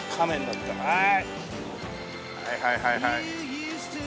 はいはいはいはい。